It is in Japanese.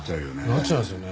なっちゃいますよね。